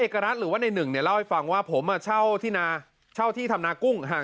รัฐหรือว่าในหนึ่งเนี่ยเล่าให้ฟังว่าผมเช่าที่นาเช่าที่ทำนากุ้งห่าง